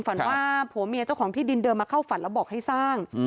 ฝันว่าผัวเมียเจ้าของที่ดินเดินมาเข้าฝันแล้วบอกให้สร้าง